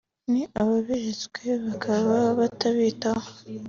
n’ababeretswe bakaba batabitaho